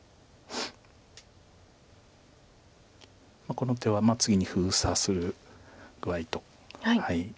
この手は次に封鎖する具合と。